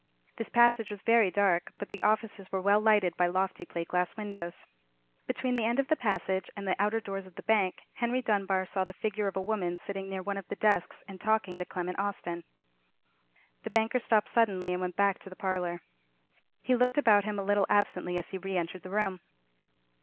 This passage was very dark; but the offices were well lighted by lofty plate glass windows. Between the end of the passage and the outer doors of the bank, Henry Dunbar saw the figure of a woman sitting near one of the desks and talking to Clement Austin. The banker stopped suddenly, and went back to the parlour. He looked about him a little absently as he re entered the room.